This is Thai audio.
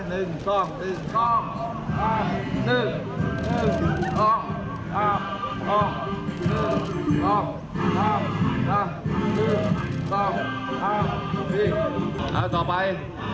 วิ่งแล้วต่อไป